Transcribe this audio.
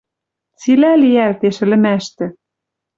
Цилӓ лиӓлтеш ӹлӹмӓштӹ.